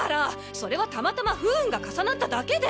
それはたまたま不運が重なっただけで！